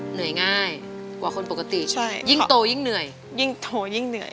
เหนื่อยง่ายกว่าคนปกติยิ่งโตยิ่งเหนื่อยยิ่งโทรยิ่งเหนื่อย